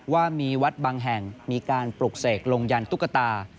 ว่ามีวัดบางแห่งมีการปลุกเสกลงยันตุ๊กตา